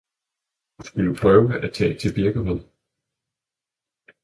Du skulle prøve at tage til Birkerød